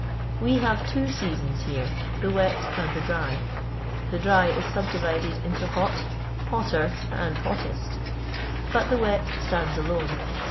We have two seasons here, the wet and the dry. The dry is subdivided into hot, hotter, and hottest; but the wet stands alone.